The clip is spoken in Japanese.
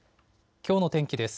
きょうの天気です。